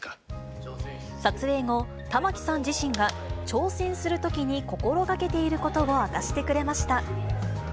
撮影後、玉木さん自身が挑戦するときに心がけていることを明かしてくれました。